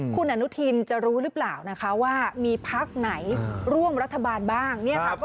คุณอนุทินจะรู้หรือเปล่านะคะว่ามีพักไหนร่วมรัฐบาลบ้าง